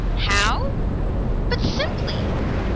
How? But simply!